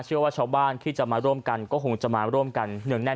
เชื่อว่าชาวบ้านที่จะมาร่วมกันก็คงจะมาร่วมกันเนืองแน่น